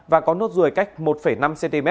và có nốt rùi cách một năm cm